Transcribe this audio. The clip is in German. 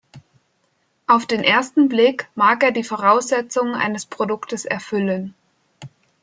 Auf den ersten Blick mag er die Voraussetzungen eines Produktes erfüllen.